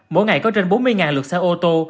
mỗi ngày có trên bốn mươi lượt xe ô tô